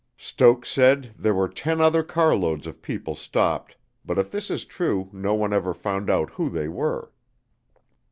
Stokes said there were ten other carloads of people stopped but if this is true no one ever found out who they were.